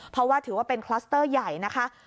เพราะว่าถือว่าเป็นคลัสเตอร์ใหญ่นะคะ